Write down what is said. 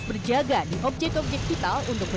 berapa banyak pak hukum